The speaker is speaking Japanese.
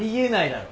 だろ